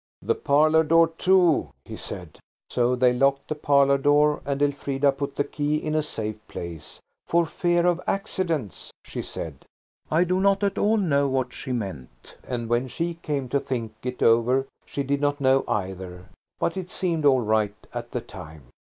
"The parlour door, too," he said. So they locked the parlour door, and Elfrida put the key in a safe place, "for fear of accidents," she said. I do not at all know what she meant, and when she came to think it over she did not know either. But it seemed all right at the time.